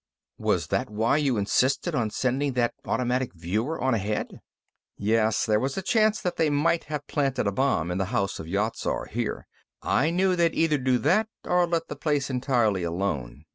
"Was that why you insisted on sending that automatic viewer on ahead?" "Yes. There was a chance that they might have planted a bomb in the House of Yat Zar, here. I knew they'd either do that or let the place entirely alone.